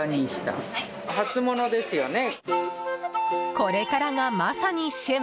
これからが、まさに旬。